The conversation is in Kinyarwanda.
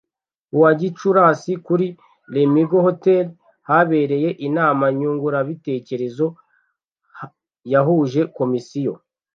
ku wa gicurasi kuri lemigo hotel habereye inama nyunguranabitekerezo yahuje komisiyo